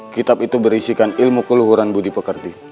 kitab itu berisikan ilmu keluhuran budi pekerti